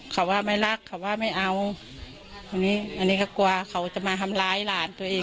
เขาว่าไม่รักเขาว่าไม่เอาตรงนี้อันนี้ก็กลัวเขาจะมาทำร้ายหลานตัวเอง